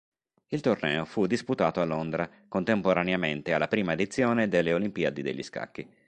Il torneo fu disputato a Londra, contemporaneamente alla prima edizione delle Olimpiadi degli scacchi.